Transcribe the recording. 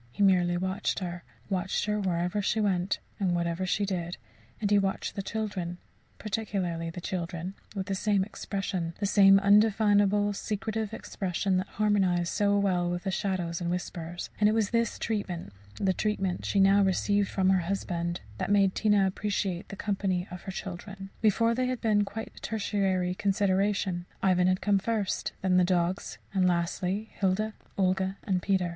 He merely watched her watched her wherever she went, and whatever she did; and he watched the children particularly the children with the same expression, the same undefinable secretive expression that harmonized so well with the shadows and whispers. And it was this treatment the treatment she now received from her husband that made Tina appreciate the company of her children. Before, they had been quite a tertiary consideration Ivan had come first; then the dogs; and lastly, Hilda, Olga, and Peter.